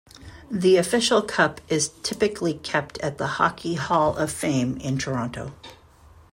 The official cup is typically kept at the "Hockey Hall of Fame" in Toronto.